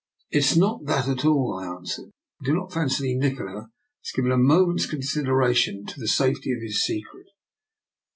" It is not that at all," I answered. " I do not fancy Nikola has given a moment's consideration to the safety of his SjCcret."